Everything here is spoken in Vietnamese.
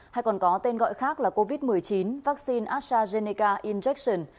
hay còn có tên gọi khác là covid một mươi chín vaccine astrazeneca injection